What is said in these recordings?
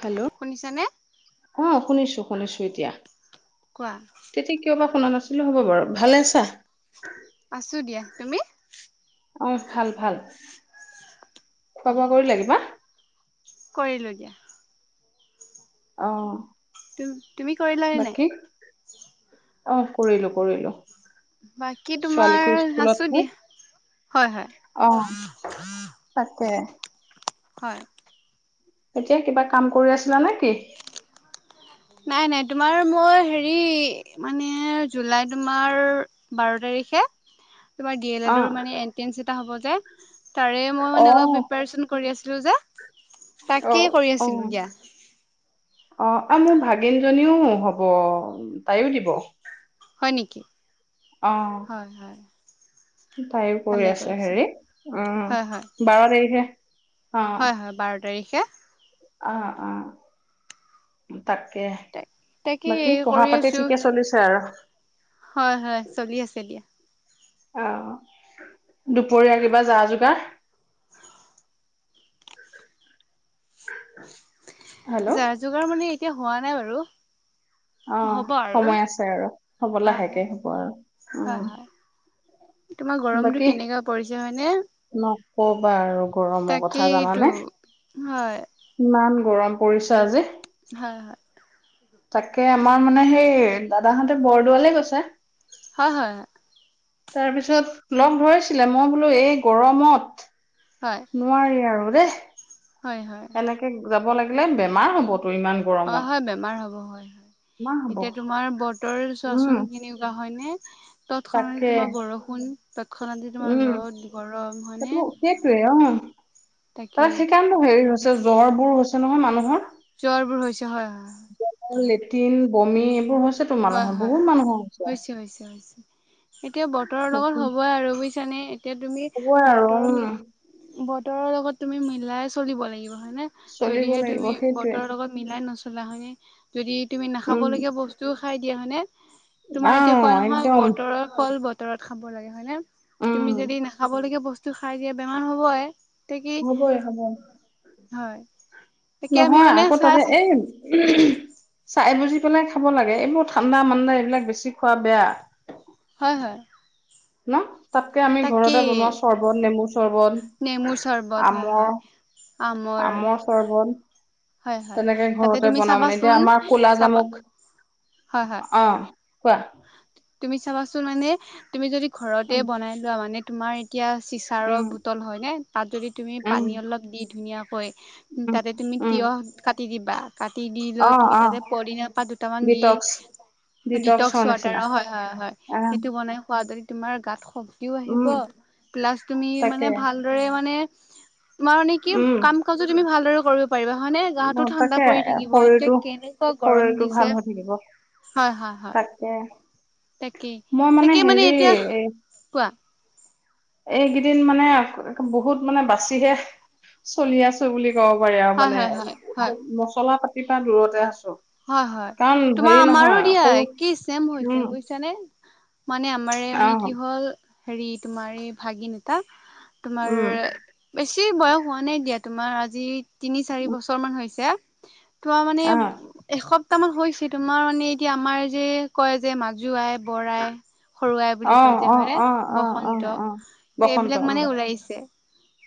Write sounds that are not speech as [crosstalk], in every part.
Hello শুনিছানে অ শুনিছোঁ শুনিছোঁ এতিয়া কোৱা তেতিয়া কিয় বা শুনা নাছিলো হ'ব বাৰু ভালে আছা আছো দিয়া তুমি অহ ভাল ভাল খোৱা বোৱা কৰিলে কিবা কৰিলোঁ দিয়া অ। তুম তুমি কৰিলা নে নাই? বাকী অ কৰিলো কৰিলো, বাকী তোমাৰ ছোৱালীকো আছো স্কুলত দিয়া হয় হয় থই। অ তাকে হয়। এতিয়া কিবা কাম কৰি আছিলা নে কি? নাই নাই তোমাৰ মই হেৰি মানে জুলাই তোমাৰ বাৰ তাৰিখে [inaudible] তোমাৰ ডি এল অ এডৰ মানে এনট্ৰেন্ঞ্চ এটা হ'ব যে, তাৰে মই অ মানে অলপ প্ৰিপাৰচন কৰি আছিলোঁ যে অ তাকেই কৰি আছিলোঁ দিয়া। অ', অ', মোৰ ভাগিনজনীও হ'ব, তাইয়ো দিব। হয়, নিকি? অ হয়, হয়। তাইও কৰি ভালে আছে কৰিছে হেৰি, অ', হয় হয় বাৰ তাৰিখে অ হয়, হয়, বাৰ তাৰিখে। অ', অ'। তাকে, তাক তাকে বাকী পঢ়া কৰি পাতি আছো ঠিকে চলিছে আৰু হয় হয় চলি আছে দিয়া। আহ দুপৰীয়া কিবা যা যোগাৰ হেল্ল' যাৰ যোগাৰ মানে এতিয়া হোৱা নাই বাৰু। অ' হ'ব আৰু সময় আছে আৰু হব হয় হয় লাহেকে হ'ব আৰু হয় উম। হয়। তোমাৰ গৰমটো বাকী কেনেকা পৰিছে হয়নে? নক'বা আৰু গৰমৰ কথা তাকেইতো। জানানে। হয়। ইমান গৰম পৰিছে আজি। হয়, হয়। তাকে, আমাৰ মানে সেই দাদাহঁতে বৰদোৱালে গৈছে। হয়, হয়। তাৰপিছত লগ ধৰিছিলে মই বোলোঁ এই গৰমত, হয় নোৱাৰি আৰু দেই। হয়, হয়। এনেকে যাব লাগিলে, বেমাৰ হ'ব। হয়, হয়, বেমাৰ হ'ব বেমাৰ হয়। হ'ব এতিয়া তোমাৰ বতৰ উম চোৱাচোন কেনেুৱা হয় নে? তৎক্ষণাতে তাকে তোমাৰ বৰষুণ, তৎক্ষণাতে তোমাৰ উম ৰ'দ, গৰম সেইটো সেইটোৱে অ হয়নে। তাকেই তাৰ সেইকাৰণেটো হেৰি হৈছে জ্বৰ বোৰৰ হৈছে নহয় মানুহৰ। জ্বৰবোৰ হৈছে হয়, হয়। লেট্ৰিন বমি এইবোৰ হৈছে তো হয় মানুহৰ হয় বহুত মানুহৰ হৈছে। হৈছে হৈছে। এতিয়া বতৰৰ লগত হ'বই আৰু বুজিছানে এতিয়া তুমি হ'বই আৰু বতৰ উম মিল বতৰ বতৰৰ লগত তুমি মিলাই চলিব লাগিব হয়নে, চলিব যদিহে লাগিব তুমি সেইটোৱে বতৰৰ লগত মিলাই নচ সেইদিনাখনে যদি তুমি উম নাখাবলগীয়া বস্তুও খাই দিয়া হয়নে। তোমাৰ এতিয়া আহ কয় নহয় একদম বতৰ ফল বতৰত খাব লাগে হয় নে। উম তুমি, যদি নাখাব লগীয়া বস্তু খাই দিয়া বেমাৰ হ'বই। তে কি হ'বই, হ'ব। হয়। তাকে আমি নহয়, মানে আকৌ চাই তাতে চি এই চাই বুজি পেলাই খাব লাগে, এইবোৰ ঠাণ্ডা, মান্ডা এইবিলাক বেছি খোৱা বেয়া। হয়, হয়। ন? তাতকে আমি ঘৰতে তাকেই বনোৱা চৰ্বত, নেমু নেমুৰ চৰ্বত, চৰ্বত হয় হয় আমৰ আমৰ হয় চৰ্বত। হয় তেনেকে তাতে ঘৰতে তুমি বনাম মানে, এতিয়া চাবাচোন আমাৰ ক'লা চাবা জামুক। হয় হয় অ', কোৱা। তুমি চাবাচোন মানে, তুমি যদি ঘৰতে উম বনাই লোৱা মানে তোমাৰ এতিয়া চিচাৰৰ উম বোটল হয়নে, তাত যদি তুমি উম পানী অলপ দি ধুনীয়াকৈ উম তাতে তুমি উম তিয়ঁহ কাটি দিবা। কাটি দি অ লৈ তুমি অ তাতে পদিনাৰ পাত দুটামান দি ডিটক্স ডিটক্স ডিটক্সৰ নিচিনা ৱাটাৰ হয়, হয়, হয়, আহ সেইটো বনাই খোৱদি তোমাৰ গাত শক্তিও উম আহিব, প্লাছ তুমি তাকে মানে ভালদৰে মানে তোমাৰ মানে কি, উম কাম কাজো তুমি ভালদৰে কৰিব পাৰিবা হয় নে গাহটো ঠাণ্ডা তাকে পৰি থাকিব এতিয়া শৰীৰটো কেনেকুৱা গৰম শৰীৰটো ভাল দিছে। হৈ থাকিব হয় হয় হয় তাকে তাকেই মই তাকে হেৰি মানে এতিয়া, কোৱা? এইকেইদিন মানে বহুত মানে বাচিহে চলি আছো বুলি ক'ব পাৰি আৰু হয় মানে হয় হয় হয় মছলা পাতিৰ পৰা দূৰতে আছ হয় হয় তোমাৰ আমাৰো সৰু দিয়া কি চেম উম হৈছে বুজিছানে। মানে আমাৰ অ মানে কি হ'ল হেৰি তোমাৰ এই ভাগিন এটা তোমাৰ উম বেছি বয়স হোৱা নাই দিয়া তোমাৰ আজি তিনি চাৰি উম বছৰ মান হৈছে। তোৱা মানে আহ সপ্তাহ মান হৈছে তোমাৰ মানে এতিয়া আমাৰ যে কয় যে মাজু আই বৰ আই সৰু আই বুলি অ কয় যে অ হয়নে, অ অ অ বসন্ত অ বসন্ত এইবিলাক উম মানে ওলাইছে।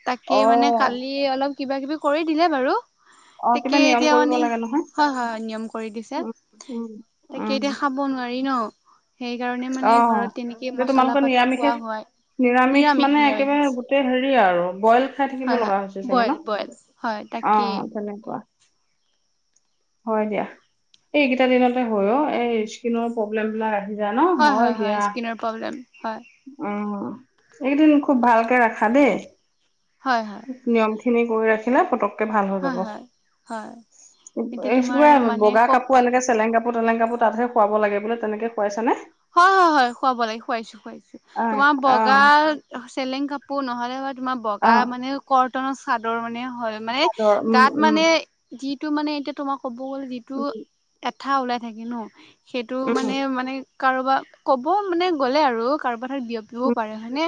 তাকে অ মানে কালি অলপ কিবা কিবি কৰি দিলে বাৰু। অ তাকে কিবা নিয়ম এতিয়া কৰিব মানে লাগে নহয় হয় হয়। নিয়ম কৰি দিছে, উম উম তাকে উম এতিয়া খাব নোৱাৰি ন। সেইকাৰণে অ মানে ঘৰত তেনেকে যে মচলা তোমালোকৰ পাতি নিৰামিষে খোৱা হয়। নিৰামিষ মানে একেবাৰে গোটেই হেৰি আৰু বইল খাই থাকিব হয় হয় লগা হৈছে চাগে বইল ন? বইল হয় অ তাকেই তেনেকুৱা হয় দিয়া এই একেইটা দিনতে হয় অ এই স্কিনৰ প্ৰব্লেম বিলাক আ জানো হয় দিয়া উ এইকেদিন খুব ভালকে ৰাখা দেই হয় হয় নিয়ম খিনি কৰি ৰাখিলা পটক ভাল হৈ হয় যাব এই হয় হয় এতিয়া তোমাৰ কিবা মানে বগা ক কাপোৰ এনেকে চেলেং কাপ কাপ তেলেং কাপোৰ তাতহে শুৱাব লাগে বোলে তেনেকে শুৱাইছেনে হয় হয় হয় শুৱাব লাগে শুৱাইছো শুৱাইছো আহ তোমাৰ বগা আহ চেলেং কাপোৰ নহ'লে বা তোমাৰ বগা আহ মানে কটনৰ চাৰদৰ মানে হয় মানে চাদৰ উম গাত উম মানে যিটো মানে এতিয়া তোমাৰ ক'ব গ'লে যিটো এট থা ওলাই থাকে ন সেইটো উম মানে উম মানে কাৰোবা ক'ব মানে গ'লে আৰু কাৰোবা বিয়পিবও উম, পাৰে হয়নে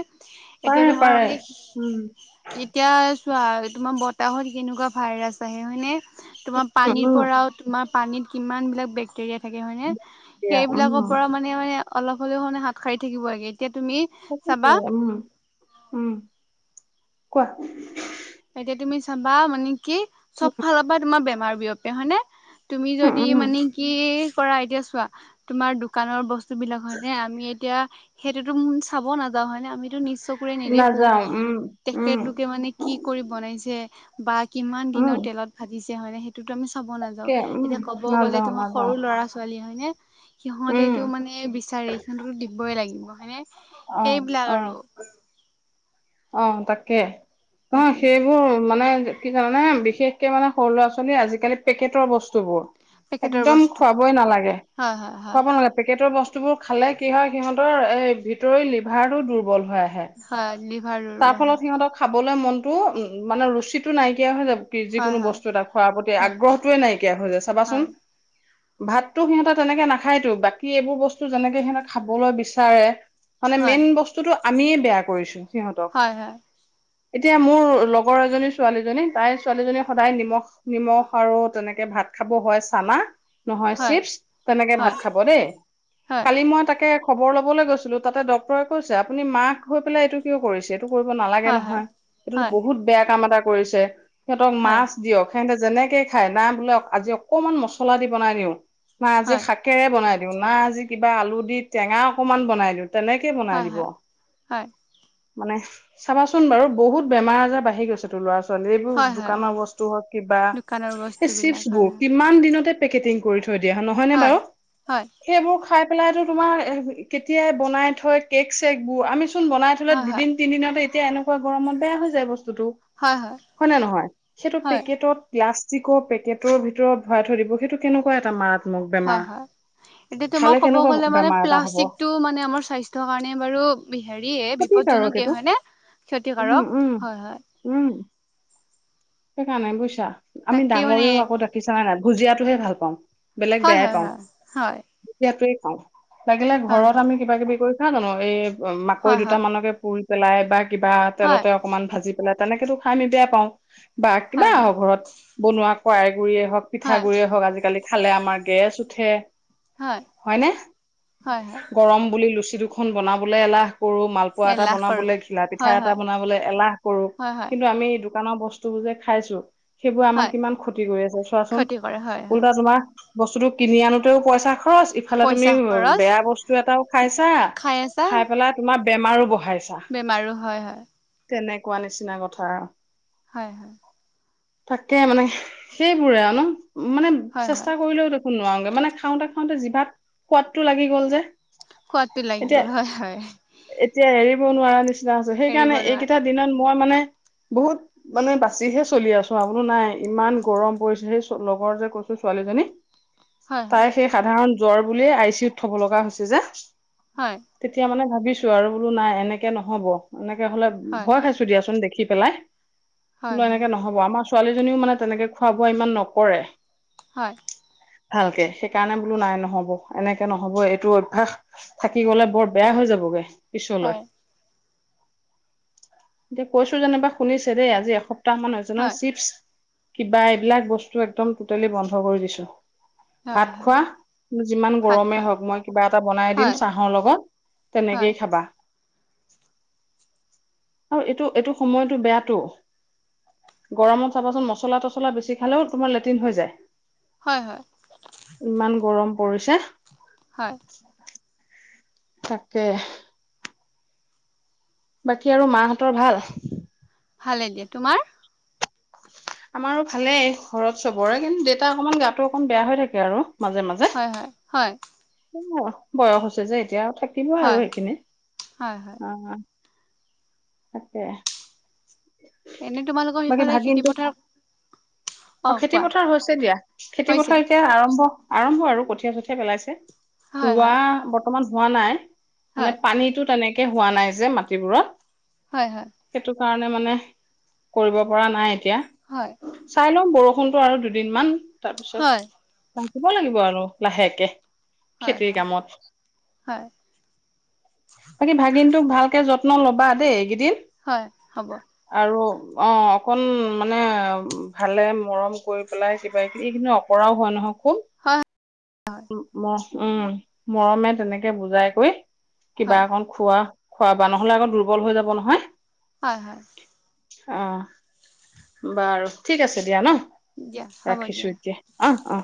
এতিয়া পাৰে তোমাৰ পাৰে মানে সি উম এতিয়া তোমাৰ বতাহত কেনেকুৱা ভাইৰাছ আহে হয়নে তোমাৰ পানীৰ উম পৰাও তোমাৰ পানীত কিমান বিলাক বেক্টেৰিয়া থাকে হয়নে দিয়া উম সেইবিলাকক মানে মানে অলপ হলেও মানে হাত সাৰি থাকিব লাগে এতিয়া তুমি তাকে চাবা উম উম কোৱা এতিয়া তুমি চাবা মানে কি চব ফালৰ পা তোমাৰ বেমাৰ বিয়পে হয় নে তুমি উম যদি উম মানে কি কৰা এতিয়া চোৱা তোমাৰ দোকানৰ বস্ বস্তু বিলাক হয় নে আমি এতিয়া সেইটোতো ম চাব নাযাওঁ হয় নে আমিতো নিচ চকুৰে নেদেখো নাযাও উম উম তেখেতলোকে মানে কি নাইছে বা কিমান উম দিনৰ তেলত ভাজিছে হয় নে সেই টো আমি চাব নাযাও তাকে উম এতিয়া ক'ব গ'লে নাযাও তোমাৰ নাযাও সৰু ল'ৰা ছোৱালী হয়নে উম সিহঁতেটো মানে বিচাৰে সিহঁতটোতো দিবই লাগিব হয়েনে অ সেইবিলাক অ আৰু অ তাকে নহয় তাকে সেইবোৰ মানে কি জানানে বিশেষকে মানে সৰু ল'ৰা ছোৱালী আজিকালি পেকেটৰ বস্তু বোৰ পেকেটৰ একদম বস্তু খোৱাবই নালাগে হয় হয় হয় খুৱাব নালাগে পেকেটৰ বস্ বস্তুবোৰ খালে কি হয় সিহঁতৰ এই ভিতৰৰ লিভাৰটো দুৰ্বল হৈ আহে হয় লিভাৰ তাৰ দুৰ্বল ফলত হয় সিহঁতক খাবলৈ মনটো উম মানে ৰুচিটো নাইকিয়া হৈ যাব যিকোনো হয় বস্তু এটা খোৱাৰ প্ৰতি হয় আগ্ৰহটোৱে নাইকিয়া হৈ যায় চাবাচোন হয় ভাততো সিহঁতে তেনেকে নাখায়তো বাকী এইবোৰ বস্তু যেনেকে সিহঁতে খাবলৈ বিচাৰে মানে হয় মেইন বস্তুটো আমিয়ে বেয়া কৰিছো সিহঁতক হয়, হয়। এতিয়া মোৰ লগৰ এজনী ছোৱালীজনী তাই ছোৱালীজনী সদায় নিমখ, নিমখ আৰু তেনেকে ভাত খাব হয়, চানা নহয় হয় চিপচ, তেনেকে হয় ভাত খাব দেই। হয় কালি মই তাকে খবৰ ল'বলৈ গৈছিলোঁ, তাতে ডক্তৰে কৈছে আপুনি মাক হৈ পেলাই এইটো কিয় কৰিছে? এইটো কৰিব নালাগে হয় নহয়, সেটোতো হয় বহুত বেয়া কাম এটা কৰিছে, সিহঁতক হয় হয় মাছ দিয়ক, সেঁহেতে যেনেকে খাই না বোলে আজি অকমান মছলা দি বনাই দিওঁ, না আজি হয় শাকেৰে বনাই দি দিওঁ না আজি কিবা আলু দি টেঙা অকমান বনাই দিওঁ তেনেকে বনাই হয় হয় দিব। হয় হয় মানে চাবাচোন বাৰু বহুত বেমাৰ আজাৰ বাঢ়ি গৈছে তোৰ ল'ৰা-ছো [unintelligible] এ হয় হয় দোকানৰ বস্তু হওঁক কিবা, দোকানৰ এ বস্তুবিলাক হয় চিপ্চবোৰ কিমান দিনৰ পেকেজিং কৰি থৈ থৈ দিয়া, নহয়নে হয় বাৰু? হয় সেইবোৰ খাই পেলাইটো তোমাৰ কেতিয়াই বনাই থয় কেক, চেকবোৰ আমিচোন বনাই থ'লে হয় দুদিন দিনত এতিয়া এনেকুৱা গৰমত বেয়া হৈ যায় বস্ টোতো হয় নে নহয় সেইটো হয় পেকেটত গ্লাছ চিকৰ পেকেটৰ ভিতৰত ভৰাই থৈ দিব সেইটো কেনেকুৱা এটা মাৰাত্মক বেমাৰ। এতিয়া তোমাৰ খালে ক'ব কেনেকুৱা গ'লে মানে বেমাৰ এটা হ'ব প্লাষ্টিকটো মানে আমাৰ স্বাস্থ্যৰ কাৰণে বাৰু হেৰিয়ে ক্ষতিকাৰক বিপদজনকে। এইটো হয়নে? উম ক্ষতিকাৰক উম হয়, হয়। সেইকাৰ নাই বুইছা আমি তাকে মানে ডাঙৰেও আকৌ ডাকিছা নাই ন' ভুজিয়াতটোহে ভাল পাওঁ। বেলেগ হয় বেয়াই হয় পাওঁ হয় এয়াটো লাগিলে হয় ঘৰত আমি কিবা কিবি কৰি খাওঁ জানো এই মাকৈ হয় হয় দুটামানকে পুৰি পেলাই বা কিবা হয় তেলতে অকনমান ভাজি পেলাই তেনেকেতো খাই আমি বেয়া পাওঁ। বা কিবা হয় হয় হয় আহক ঘৰত বনোৱা কৰাই গুৰিয়ে হওঁক, হয় পিঠাগুৰিয়ে হওঁক আজিকালি খালে আমাৰ গেছ উঠে, হয় হয় হয়নে? হয় হয় গৰম বুলি লুচিটো খন বনাবলৈ এলাহ কৰোঁ, মালপোৱা এই এটা লাখ কৰোঁ বনাবলৈ, ঘিলা পিঠা হয় এটা হয় বনাবলৈ এলাহ কৰোঁ হয় হয় কিন্তু আমি দোকানৰ বস্তু বস্তুবোৰ যে খাইছোঁ সেইবোৰ আমাক হয় কিমান ক্ষতি কৰি আছে চোৱাচোন, ক্ষতি কৰে হয় হয় উল্টা তোমাৰ বস্তুটো কিনি আনোতেও পইচা খৰচ। ইফালে তুমি পইচা খৰচ বেয়া বস্তু এটাও খাইছা, খাই পেলাই তোমাৰ বেমাৰো বঢ়াই বেমাৰো হয়, হয়। তেনেকুৱা নিচিনা কথা। হয়, হয়। তাকে মানে সেইবোৰে আৰু ন' মানে হয় হয় চেষ্টা কৰিলেও ত নোৱাৰোগে মানে খাওঁতে, খাওঁতে জিভাত সোৱাদটো লাগি গ'ল যে। সোৱাদটো লাগি এতিয়া, গ'ল হয় হয় এতিয়া হেৰি নো নোৱাৰা নিচিনা হৈছে এৰিব সেইকাৰণে নোৱাৰা এইকেইটা দিনত মই মানে বহুত মানে বাছিহে চলি আছোঁ, আপোনাৰ নাই ইমান গৰম পৰিছে সেই লগৰ যে কৈছো ছোৱালীজনী। হয় তাই হয় সেই সাধাৰণ জ্বৰ বুলিয়েই আই চি ইউত থ'ব লগা হৈছে যে। হয় তেতিয়া মানে ভাবিছো আৰু বোলো নাই এনেকে নহ'ব মানে তিয়া হ'লে হয় ভয় খাইছোঁ দিয়াচোন দেখি পেলাই বোলো হয় এনেকে নহ'ব আমাৰ ছোৱালীজনীও মানে তেনেকে খোৱা-বোৱা ইমান নকৰে। হয়। ভালকে সেইকাৰণে বোলো নাই নহ'ব এনেকে নহ'ব এইটো অভ্যাস থাকি গ'লে বৰ বেয়া হৈ যাবগে। পিছলৈ, হয় এতিয়া কৈছো যেনিবা শুনিছে দেই আজি এস দুটা মান আছে নহয় হয় চিপছ কিবা এইবিলাক বস্তু একদম টুটেলি বন্ধ কৰি দিছোঁ। হয় ভাত হয় খোৱা যিমান ভাত গৰমেই খোৱা হওঁক মই কিবা এটা বনাই দিম হয় চাহৰ লগত। হয় তেনেকেই খাবা আৰু এইটো এইটো সময়টো বেয়া টো গৰমত চাবাচোন মছলা তচলা বেছি খালেও তোমাৰ লেট্ৰিন হৈ যায়। হয় হয় ইমান গৰম পৰিছে। হয় তাকে। বাকী আৰু মাহঁতৰ ভাল? ভালে দিয়া তোমাৰ? আমাৰো ভালেই ঘৰত চবৰে কিন্তু দেউতা অকমান গাটো অকমান বেয়া হৈ থাকে আৰু। মাজে মাজে হয় হয় হয়। [unintelligible] বয়স হৈছে যে এতিয়া থাকিব আৰু হয় সেকেনে হয় হয় আ তাকে এনে তোমালোকৰ বাকী সিফালে খেতি ভাগিনটো পথাৰ অ খেতি পথাৰ হৈছে দিয়া খেতি হৈছে পথাৰ এতিয়া আৰম্ভ আৰম্ভ আৰু কঠীয়া চঠীয়া পেলাইছে। হয় ৰোৱা হয় বৰ্তমান হোৱা নাই হয় মানে পানীটো তেনেক কে হোৱা নাই যে মাটিবোৰত হয় হয়। সেইটো কাৰণে মানে কৰিব পৰা নাই এতিয়া। হয়। চাই লম বৰষুণটো আৰু দুদিনমান তাপিছত হয় থাকিব লাগিব আৰু লাহেকে। হয় খেতিৰ হয় কামত হয় বাকী ভাগিনটোক ভাল কে যত্ন ল'বা দেই এইগেদিন। হয় হ'ব। অ অকন মানে ভালে মৰম কৰি পেলাই কিবা কিবি এইকেইদিনত অকৰাও হয় নহয় খোম হয় ম উম মৰমে তেনেকে বুজাই কৈ কিবা হয় অকন খোৱা খোৱাবা নহ'লে আকৌ দুৰ্বল হৈ যাব নহয়। হয় হয় অ বাৰু ঠিক আছে দিয়া ন। দিয়া হ'ব দিয়া ৰাখিছো এতিয়া অ অ।